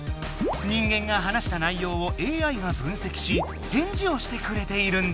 人間が話した内ようをＡＩが分せきしへんじをしてくれているんだ。